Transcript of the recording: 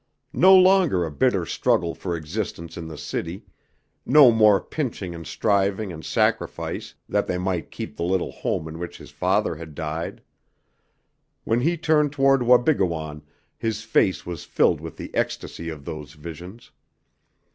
No longer a bitter struggle for existence in the city, no more pinching and striving and sacrifice that they might keep the little home in which his father had died! When he turned toward Wabigoon his face was filled with the ecstasy of those visions.